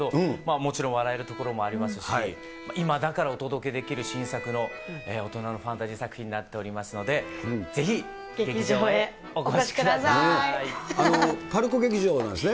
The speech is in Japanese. もちろん笑えるところもありますし、今だからお届けできる新作の大人のファンタジー作品になっていますので、ぜひ劇場へおＰＡＲＣＯ劇場なんですね。